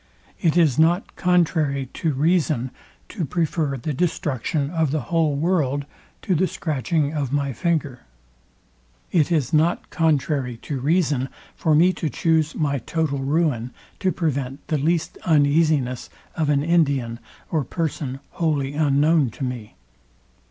It is not contrary to reason to prefer the destruction of the whole world to the scratching of my finger. It is not contrary to reason for me to chuse my total ruin, to prevent the least uneasiness of an Indian or person wholly unknown to me.